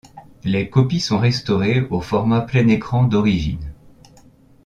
Les copies sont restaurées au format plein écran d'origine.